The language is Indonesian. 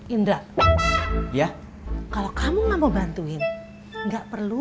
indra ya kalau kamu gak mau bantuin nggak perlu